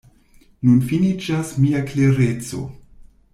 Nun finiĝas mia klereco.